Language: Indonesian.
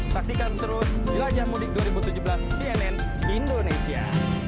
saksikan terus jelajah mudik dua ribu tujuh belas cnn indonesia